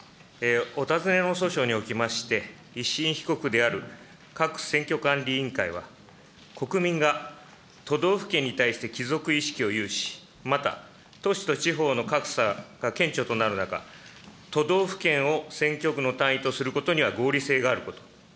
お尋ねの訴訟におきまして、１審被告である各選挙管理委員会は、国民が都道府県に対して帰属意識を有し、また都市と地方の格差が顕著となる中、都道府県を選挙区の単位とすることには合理性があること。